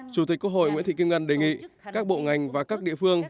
chủ tịch quốc hội nguyễn thị kim ngân đề nghị các bộ ngành và các địa phương